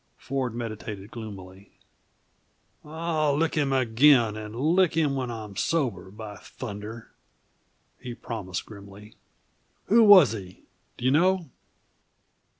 Ford meditated gloomily. "I'll lick him again, and lick him when I'm sober, by thunder!" he promised grimly. "Who was he, do you know?"